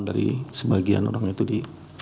dari sebagian orang itu di